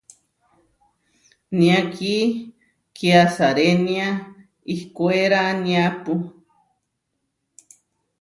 Niá ki kiasarénia ihkwéraniapu.